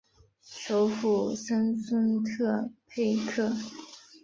首府森孙特佩克。